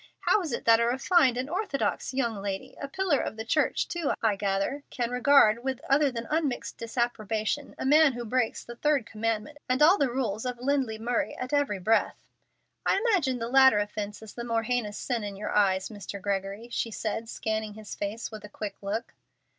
"How is it that a refined and orthodox young lady, a pillar of the church, too, I gather, can regard with other than unmixed disapprobation a man who breaks the third commandment and all the rules of Lindley Murray at every breath?" "I imagine the latter offence is the more heinous sin in your eyes, Mr. Gregory," she said, scanning his face with a quick look.